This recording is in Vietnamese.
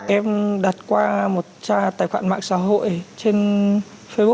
em đặt qua một trang tài khoản mạng xã hội trên facebook